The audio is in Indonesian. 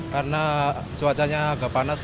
karena cuacanya agak panas